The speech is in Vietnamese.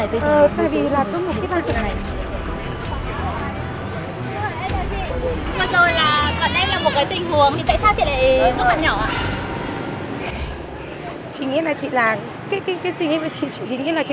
thì cũng rất là kiểu như là ái náy